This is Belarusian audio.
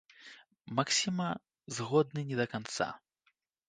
Максіма згодны не да канца.